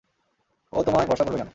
ও তোমায় ভরসা করবে কেন?